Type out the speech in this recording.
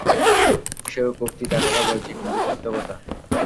সেও খুব তিতা কথা বলেছে, কিন্তু সত্য কথা।